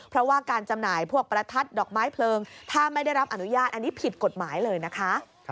เพราะว่าการจำหน่ายพวกประทัดดอกไม้เพลิงถ้าไม่ได้รับอนุญาตอันนี้ผิดกฎหมายเลยนะคะ